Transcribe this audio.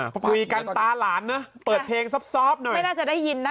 คุยกันตาหลานนะเปิดเพลงซอบหน่อยไม่น่าจะได้ยินนะ